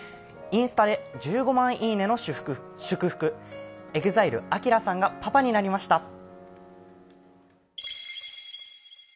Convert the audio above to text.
インスタで１５万「いいね」の祝福、ＥＸＩＬＥ、ＡＫＩＲＡさんがパパになりました。